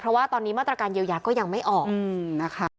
เพราะว่าตอนนี้มาตรการเยียวยาก็ยังไม่ออกนะคะ